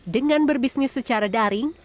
dengan berbisnis secara daring